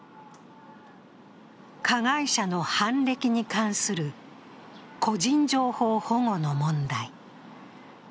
加害者の犯歴に関する個人情報保護の問題。